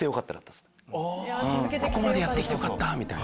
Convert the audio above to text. ここまでやって来てよかった！みたいな。